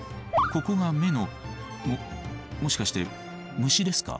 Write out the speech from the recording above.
ここが目のももしかして虫ですか？